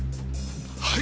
はい！